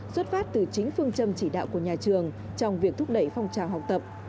xuất phát từ chính phương châm chỉ đạo của nhà trường trong việc thúc đẩy phong trào học tập